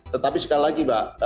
tetapi sekali lagi mbak